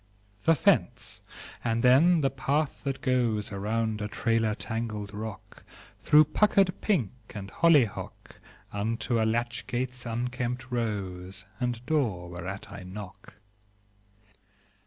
The fence; and then the path that goes Around a trailer tangled rock, Through puckered pink and hollyhock, Unto a latch gate's unkempt rose, And door whereat I knock.